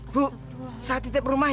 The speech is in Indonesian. bu saya titip rumah